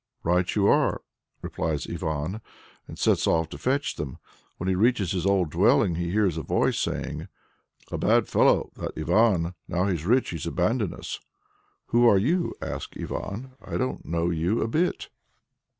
"Right you are," replies Ivan, and sets off to fetch them. When he reaches his old dwelling, he hears a voice saying "A bad fellow, that Ivan! now he's rich, he's abandoned us!" "Who are you?" asks Ivan. "I don't know you a bit."